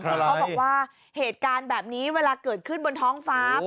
เขาบอกว่าเหตุการณ์แบบนี้เวลาเกิดขึ้นบนท้องฟ้า